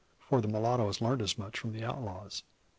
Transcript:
For the mulatto has learnt as much from the outlaws.